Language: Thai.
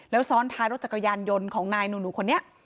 แล้วซ้อนท้ายรถจักรยานยนต์ของนายหนูคนนี้